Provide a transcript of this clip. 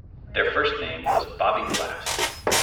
Their first name was "Bobby Blast".